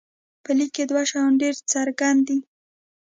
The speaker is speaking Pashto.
په لیک کې دوه شیان ډېر څرګند دي.